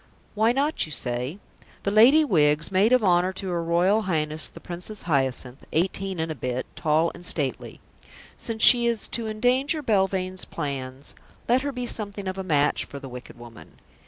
Why not? you say. The Lady Wiggs, maid of honour to her Royal Highness the Princess Hyacinth, eighteen and a bit, tall and stately. Since she is to endanger Belvane's plans, let her be something of a match for the wicked woman.